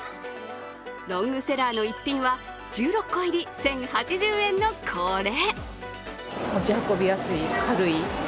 ロングセラーの逸品は１６個入り１０８０円のこれ。